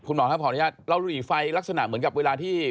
คุณหล่อมาหาพรุนญาติเรารีไฟลักษณะเหมือนกับเวลาที่